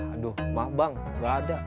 aduh mah bang gak ada